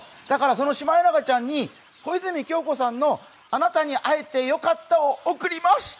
だからそのシマエナガちゃんに小泉今日子さんの「あなたに会えてよかった」を送ります。